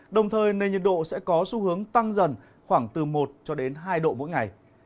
đồng thời nơi nhiệt độ sẽ có xu hướng tăng dần khoảng từ một hai độ mỗi ngày